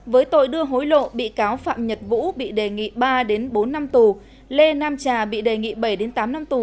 với tội đưa hối lộ bị cáo phạm nhật vũ bị đề nghị ba bốn năm tù lê nam trà bị đề nghị bảy tám năm tù